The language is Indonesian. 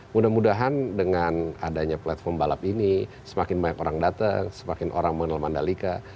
mudah mudahan dengan adanya platform balap ini semakin banyak orang datang semakin orang mengenal mandalika